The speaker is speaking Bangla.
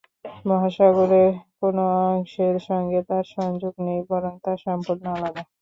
মহাসাগরের কোন অংশের সঙ্গে তার সংযোগ নেই বরং তা সম্পূর্ণ আলাদা।